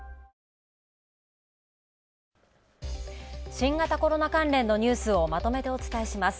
新型コロナ関連のニュースをまとめてお伝えします。